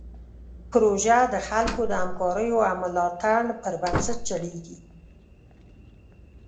پروژه د خلکو د همکاریو او ملاتړ پر بنسټ چلیږي.